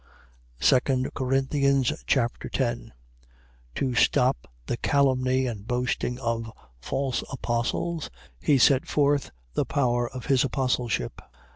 2 Corinthians Chapter 10 To stop the calumny and boasting of false apostles, he set forth the power of his apostleship.